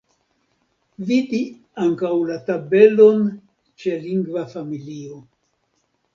Vidu ankaŭ la tabelon ĉe lingva familio.